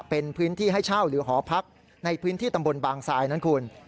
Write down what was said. เป็นพื้นที่ให้เช่าหรือหอพักในพื้นที่ตำบลบางทรายนั้นคุณ